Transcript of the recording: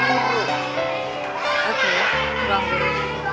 oke ruang guru